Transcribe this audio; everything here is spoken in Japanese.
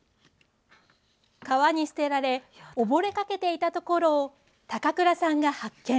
川に捨てられ溺れかけていたところを高倉さんが発見。